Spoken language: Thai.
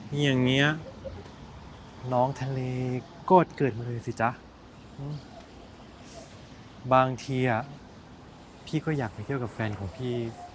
อย่างนี้น้องทะเลโกรธเกิดมาเลยสิจ๊ะบางทีพี่ก็อยากไปเที่ยวกับแฟนของพี่